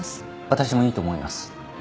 私もいいと思います。